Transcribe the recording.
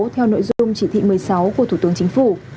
theo nội dung chỉ thị một mươi sáu của thủ tướng chính phủ